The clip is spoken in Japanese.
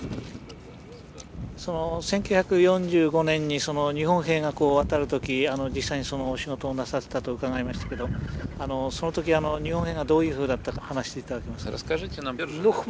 その１９４５年に日本兵が渡る時実際にそのお仕事をなさってたと伺いましたけどその時日本兵がどういうふうだったか話していただけますか？